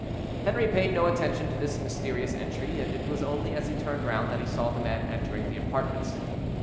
Henri paid no attention to this mysterious entry; and it was only as he turned round that he saw the man entering the apartments.